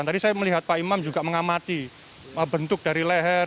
tadi saya melihat pak imam juga mengamati bentuk dari leher